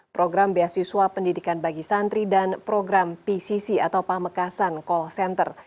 program beasiswa pendidikan bagi santri dan program pcc atau pamekasan call center